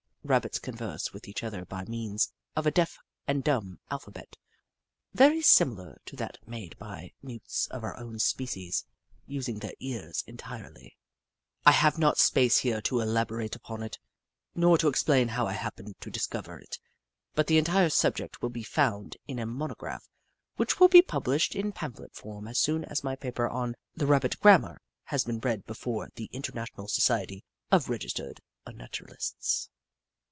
Rabbits converse with each other by means of a deaf and dumb alphabet, very similar to that made by mutes of our own species, using their ears entirely. I have not space here to elaborate upon it, nor to explain how I happened to discover it, but the entire subject will be found in a monograph which will be published in pam phlet form as soon as my paper on The Rabbit Grain7nar has been read before the International Society of Registered Unnat uraHsts.